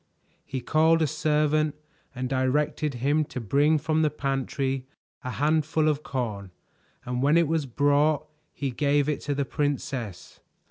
He called a servant and directed him to bring from the pantry a handful of corn, and when it was brought he gave it to the princess.